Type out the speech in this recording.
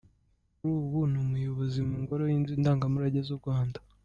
Kuri ubu ni umuyobozi mu Ngoro y’inzu ndangamurage z’u Rwanda.